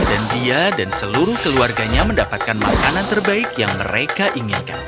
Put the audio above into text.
dan dia dan seluruh keluarganya mendapatkan makanan terbaik yang mereka inginkan